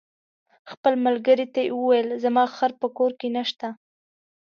خپل ملګري ته یې وویل: زما خر په کور کې نشته.